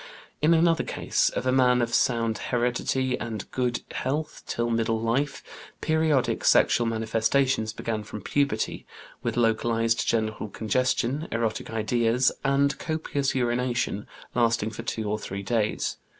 In another case, of a man of sound heredity and good health till middle life, periodic sexual manifestations began from puberty, with localized genital congestion, erotic ideas, and copious urination, lasting for two or three days.